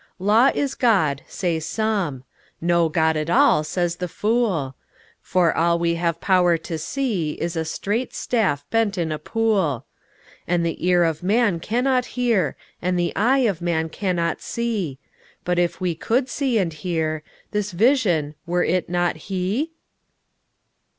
Law is God, say some: no God at all, says the fool; For all we have power to see is a straight staff bent in a pool; And the ear of man cannot hear, and the eye of man cannot see; But if we could see and hear, this Vision—were it not He?